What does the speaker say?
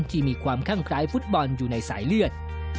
ที่มีความคั่งคล้ายฟุตบอลอยู่ในสายเลือด